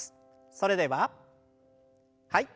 それでははい。